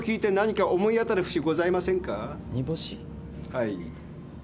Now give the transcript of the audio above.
はい。